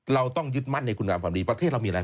เราต้องยึดมั่นในคุณงามความดีประเทศเรามีอะไร